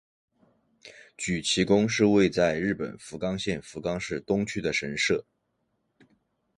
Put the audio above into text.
筥崎宫是位在日本福冈县福冈市东区的神社。